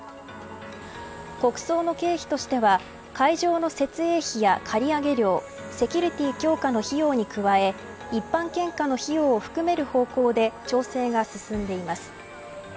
国葬の経費としては会場の設営費や借り上げ料セキュリティー強化の費用に加え一般献花の費用を含める方向で調整が進んでいます。